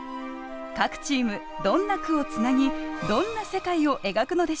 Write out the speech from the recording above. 各チームどんな句をつなぎどんな世界を描くのでしょう。